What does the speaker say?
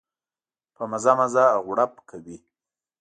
په مزه مزه غړپ کوي.